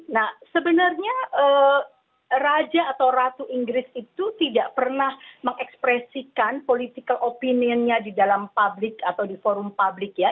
nah sebenarnya raja atau ratu inggris itu tidak pernah mengekspresikan political opinionnya di dalam publik atau di forum publik ya